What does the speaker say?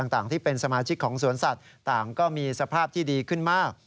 ต่างที่เป็นสมาชิกของสวนสัตว์ต่างก็มีสภาพที่ดีขึ้นมาก